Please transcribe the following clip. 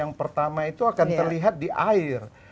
yang pertama itu akan terlihat di air